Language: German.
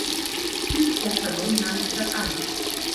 Dieses Testament nahm die Stadt an.